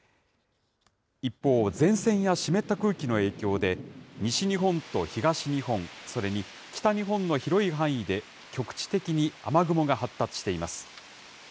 一方、前線や湿った空気の影響で、西日本と東日本、それに北日本の広い範囲で、局地的に雨雲が発達しています。